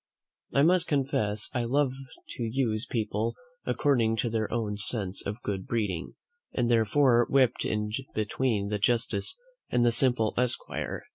I must confess I love to use people according to their own sense of good breeding, and therefore whipped in between the justice and the simple esquire.